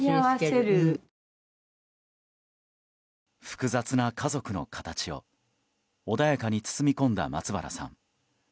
複雑な家族の形を穏やかに包み込んだ松原さん。